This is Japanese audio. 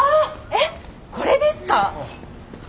えっこれですか？